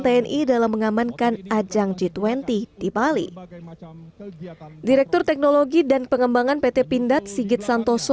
tni dalam mengamankan ajang g dua puluh di bali direktur teknologi dan pengembangan pt pindad sigit santoso